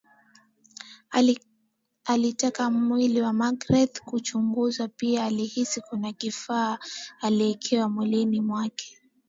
Alitaka mwili wa magreth uchunguzwe pia alihisi kuna kifaa aliwekewa mwilini mwake